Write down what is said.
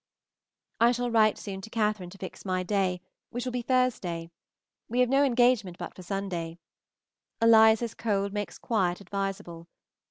I shall write soon to Catherine to fix my day, which will be Thursday. We have no engagement but for Sunday. Eliza's cold makes quiet advisable.